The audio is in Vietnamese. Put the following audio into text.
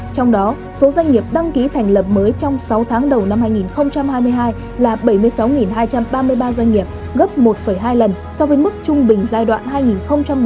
trong đó số doanh nghiệp đăng ký thành lập mới trong sáu tháng đầu năm hai nghìn hai mươi hai là bảy mươi sáu hai trăm ba mươi ba doanh nghiệp gấp một hai lần so với mức trung bình giai đoạn hai nghìn một mươi một hai nghìn hai mươi ba